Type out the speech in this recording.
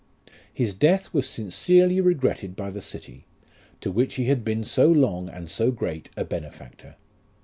1 His death was sincerely regretted by the city, to which he had been so long and so great a benefactor.